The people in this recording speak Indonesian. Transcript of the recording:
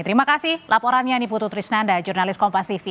terima kasih laporannya nih putu trisnanda jurnalis kompas tv